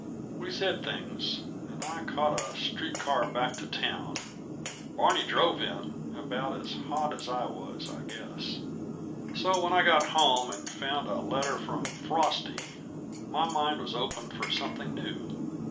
We said things, and I caught a street car back to town. Barney drove in, about as hot as I was, I guess. So, when I got home and found a letter from Frosty, my mind was open for something new.